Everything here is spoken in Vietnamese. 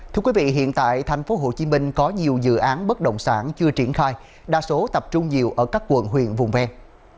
thưa quý vị hiện tại tp hcm có nhiều dự án bất động sản chưa triển khai đa số tập trung nhiều ở các quận huyện vùng ven